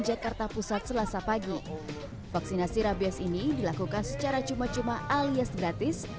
jakarta pusat selasa pagi vaksinasi rabies ini dilakukan secara cuma cuma alias gratis